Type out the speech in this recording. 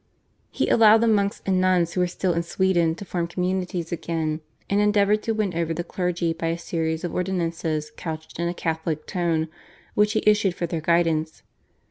He allowed the monks and nuns who were still in Sweden to form communities again, and endeavoured to win over the clergy by a series of ordinances couched in a Catholic tone which he issued for their guidance.